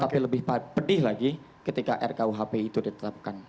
tapi lebih pedih lagi ketika rkuhp itu ditetapkan